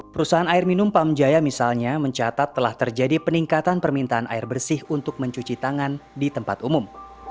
perusahaan air minum pamjaya misalnya mencatat telah terjadi peningkatan permintaan air bersih untuk mencuci tangan di tempat umum